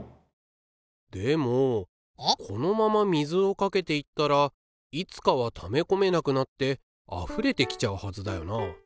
でもこのまま水をかけていったらいつかはためこめなくなってあふれてきちゃうはずだよな。